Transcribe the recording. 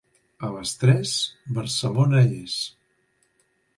A les tres, Barcelona és.